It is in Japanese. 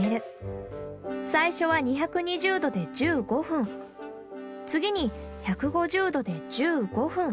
最初は２２０度で１５分次に１５０度で１５分。